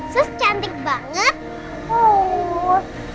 sus cantik banget